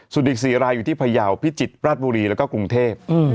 ส่วนอีก๔รายอยู่ที่พยาวพิจิตรราชบุรีแล้วก็กรุงเทพ